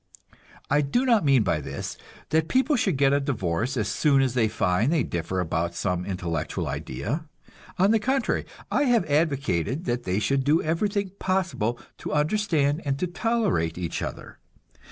I do not mean by this that people should get a divorce as soon as they find they differ about some intellectual idea; on the contrary, I have advocated that they should do everything possible to understand and to tolerate each other.